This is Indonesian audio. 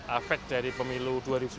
efek dari pemilu dua ribu sembilan belas